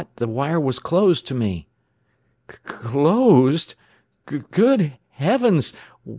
The wire was closed to me." "Clooossclosd! Goed 6eavns!